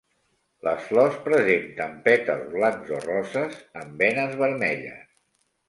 Les flors presenten pètals blancs o roses amb venes vermelles.